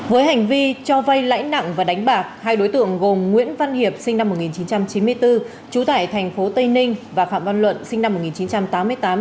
với hành vi cho vay lãi nặng và đánh bạc hai đối tượng gồm nguyễn văn hiệp sinh năm một nghìn chín trăm chín mươi bốn trú tại tp tây ninh và phạm văn luận sinh năm một nghìn chín trăm tám mươi tám